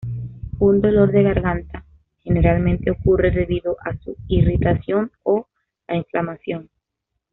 Un dolor de garganta generalmente ocurre debido a su irritación o la inflamación.